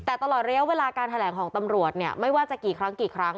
แต่ตลอดระยะเวลาการแถลงของตำรวจเนี่ยไม่ว่าจะกี่ครั้งกี่ครั้ง